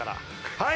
はい！